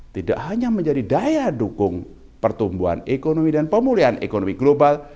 tidak hanya menjadi daya dukung pertumbuhan ekonomi dan pemulihan ekonomi global